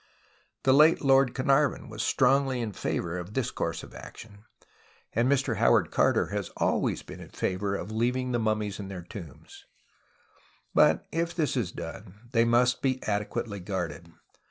The late Lord Carnarvon was strongly in favour of 128 TUTANKHAINIEN this course of action, and Mr Howard Carter has always been in favour of leaving the mummies in their tombs. But if this is done they must be adequately guarded.